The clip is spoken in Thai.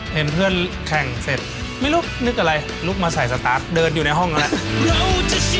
เห็นเพื่อนแข่งเสร็จไม่รู้นึกอะไรลุกมาใส่สตาร์ทเดินอยู่ในห้องแล้ว